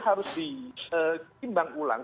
harus diimbang ulang